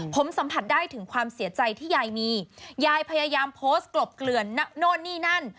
ผมสัมผัสได้ถึงความเสียใจที่ยายมียายพยายามโพสต์กลบเกลื่อนโน่นนี่นั่น